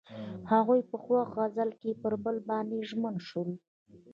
هغوی په خوښ غزل کې پر بل باندې ژمن شول.